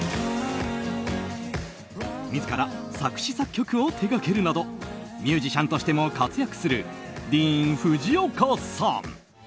自ら作詞・作曲を手掛けるなどミュージシャンとしても活躍するディーン・フジオカさん。